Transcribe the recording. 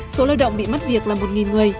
số lao động bị mất việc là một người